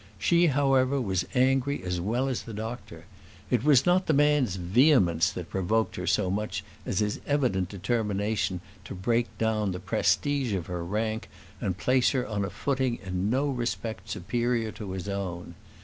She, however, was angry as well as the doctor. It was not the man's vehemence that provoked her so much as his evident determination to break down the prestige of her rank, and place her on a footing in no respect superior to his own.